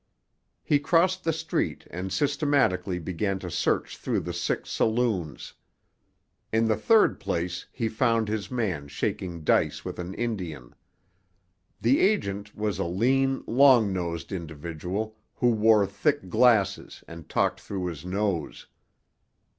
He crossed the street and systematically began to search through the six saloons. In the third place he found his man shaking dice with an Indian. The agent was a lean, long nosed individual who wore thick glasses and talked through his nose.